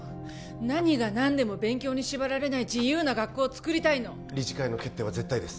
何が何でも勉強に縛られない自由な学校をつくりたいの理事会の決定は絶対です